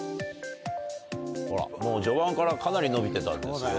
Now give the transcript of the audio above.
ほらもう序盤からかなり伸びてたんですよ。